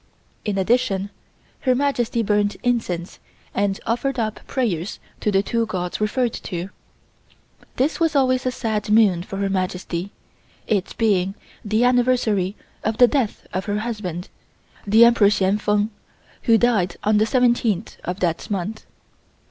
In addition, Her Majesty burned incense and offered up prayers to the two gods referred to. This was always a sad moon for Her Majesty, it being the anniversary of the death of her husband, the Emperor Hsien Feng, who died on the 17th of that month.